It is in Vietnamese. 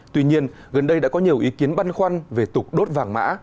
tuy nhiên gần đây đã có nhiều ý kiến băn khoăn về tục đốt vàng mã